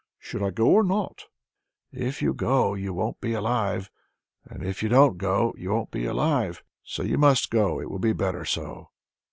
Should I go or not?" "If you go, you won't be alive, and if you don't go, you won't be alive. But you must go; it will be better so."